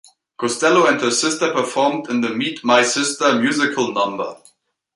Costello and her sister performed in the "Meet My Sister" musical number.